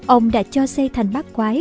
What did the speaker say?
ông đã cho xây thành bác quái